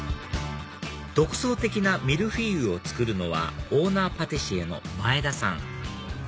独創的なミルフィーユを作るのはオーナーパティシエの前田さん